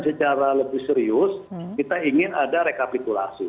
secara lebih serius kita ingin ada rekapitulasi